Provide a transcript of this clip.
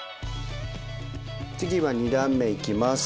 次は２段目いきます。